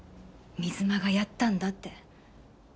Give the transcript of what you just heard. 水間がやったんだって。